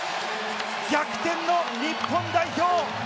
逆転の日本代表！